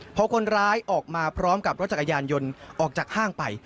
พอคนร้ายออกมาพร้อมกับรถจักรยานยนต์ออกจากห้างไป